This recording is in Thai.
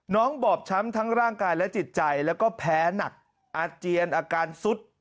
บอบช้ำทั้งร่างกายและจิตใจแล้วก็แพ้หนักอาเจียนอาการสุด